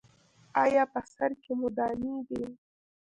ایا په سر کې مو دانې دي؟